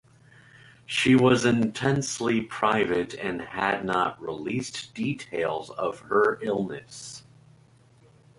She was intensely private and had not released details of her illness.